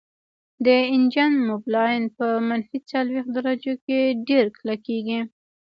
د انجن موبلاین په منفي څلوېښت درجو کې ډیر کلکیږي